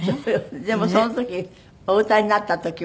でもその時お歌いになった時は満足した？